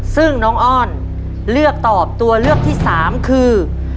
ซึ่งน้องอ้อนเลือกตอบตัวเลือกที่๓คือ